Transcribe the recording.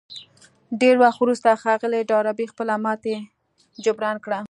ډېر وخت وروسته ښاغلي ډاربي خپله ماتې جبران کړه.